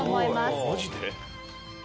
マジで？